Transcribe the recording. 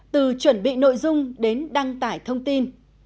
từ chuẩn bị nội dung đến đăng tải thông tin